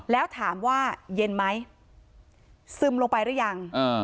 แล้วถามว่าเย็นไหมซึมลงไปหรือยัง